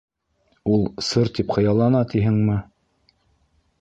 Ул сыр тип хыяллана тиһеңме?